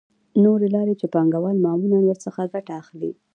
نورې لارې چې پانګوال معمولاً ورڅخه ګټه اخلي